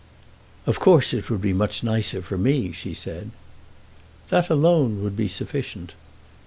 "Of course it would be much nicer for me," she said. "That alone would be sufficient."